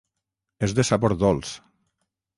És de sabor dolç.